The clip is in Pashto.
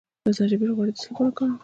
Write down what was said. د زنجبیل غوړي د څه لپاره وکاروم؟